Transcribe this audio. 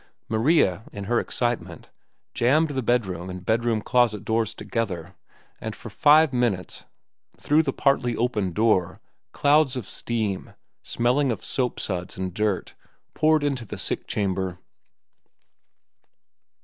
Maria, in her excitement, jammed the bedroom and bedroom closet doors together, and for five minutes, through the partly open door, clouds of steam, smelling of soap suds and dirt, poured into the sick chamber.